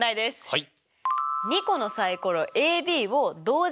はい。